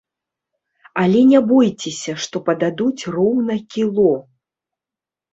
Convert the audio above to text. Але не бойцеся, што пададуць роўна кіло.